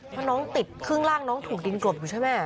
เพราะน้องติดขึ้นล่างน้องถูกดินกลมใช่ไหม